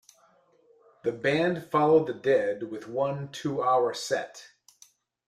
The Band followed the Dead with one two-hour set.